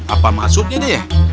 apa maksudnya dia